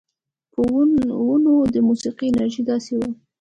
پۀ ونو د موسيقۍ اثر داسې وو